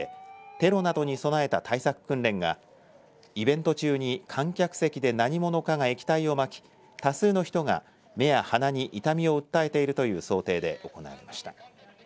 テロなどに備えた対策訓練がイベント中に観客席で何者かが液体をまき多数の人が目や鼻に痛みを訴えているという想定で行われました。